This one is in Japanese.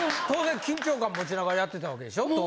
当然緊張感持ちながらやってたわけでしょ？